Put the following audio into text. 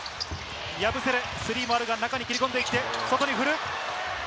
ヤブセレ、スリーもあるが中に切り込んでいって外に振る。